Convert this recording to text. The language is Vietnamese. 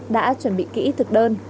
đã chuẩn bị kỹ thực đơn